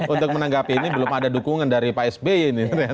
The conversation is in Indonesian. untuk menanggapi ini belum ada dukungan dari pak sby